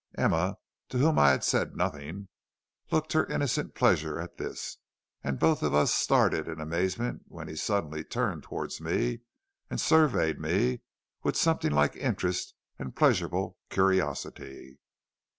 Emma, to whom I had said nothing, looked her innocent pleasure at this, and both of us started in amazement when he suddenly turned towards me, and surveyed me with something like interest and pleasurable curiosity.